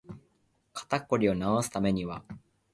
肩こりを治すためには